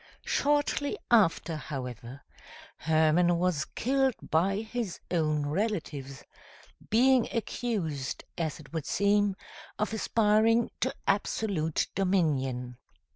Shortly after, however, Hermann was killed by his own relatives, being accused, as it would seem, of aspiring to absolute dominion.